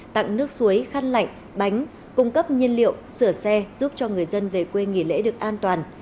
tặng nước suối khăn lạnh bánh cung cấp nhiên liệu sửa xe giúp cho người dân về quê nghỉ lễ được an toàn